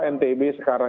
tapi untuk penyelenggaraan